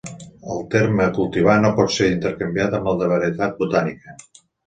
El terme cultivar no pot ser intercanviat amb el de varietat botànica.